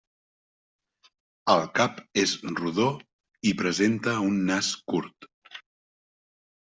El cap és rodó i presenta un nas curt.